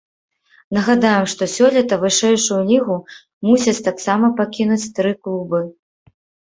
Нагадаем, што сёлета вышэйшую лігу мусяць таксама пакінуць тры клубы.